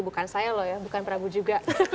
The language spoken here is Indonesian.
bukan saya loh ya bukan prabu juga